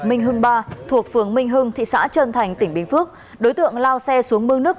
minh hưng ba thuộc phường minh hưng thị xã trân thành tỉnh bình phước đối tượng lao xe xuống mương nước